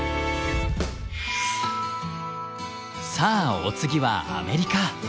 さあお次はアメリカ。